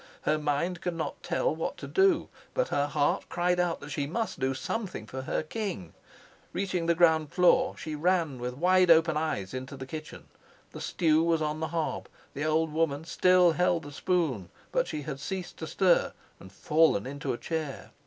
Her mind could not tell what to do, but her heart cried out that she must do something for her king. Reaching the ground floor, she ran with wide open eyes into the kitchen. The stew was on the hob, the old woman still held the spoon, but she had ceased to stir and fallen into a chair.